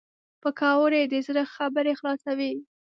پکورې د زړه خبرې خلاصوي